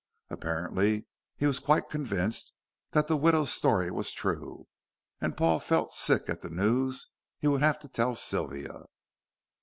Apparently he was quite convinced that the widow's story was true, and Paul felt sick at the news he would have to tell Sylvia.